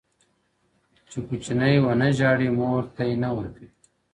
چي کوچنى و نه ژاړي، مور تى نه ورکوي.